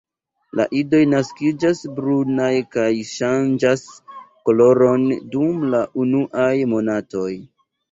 La idoj naskiĝas brunaj kaj ŝanĝas koloron dum la unuaj monatoj.